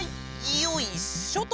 よいしょっと。